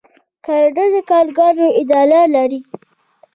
کاناډا د کارګرانو اداره لري.